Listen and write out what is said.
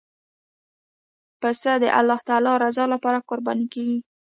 پسه د الله تعالی رضا لپاره قرباني کېږي.